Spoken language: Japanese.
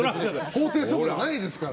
法定速度ないですから。